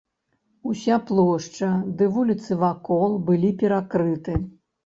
Уся плошча ды вуліцы вакол былі перакрыты.